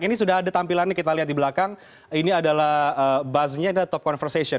ini sudah ada tampilannya kita lihat di belakang ini adalah buzznya ini top conversation